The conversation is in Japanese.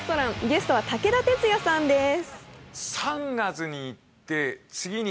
ゲストは武田鉄矢さんです。